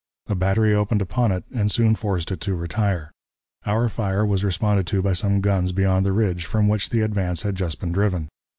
A battery opened upon it and soon forced it to retire. Our fire was responded to by some guns beyond the ridge from which the advance had just been driven.